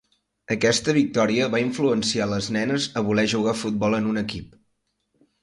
Aquesta victòria va influencia a les nenes a voler jugar a futbol en un equip.